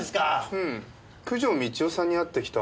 うん九条美千代さんに会ってきた。